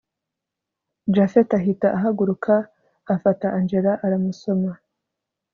japhet ahita ahaguruka afata angella aramusoma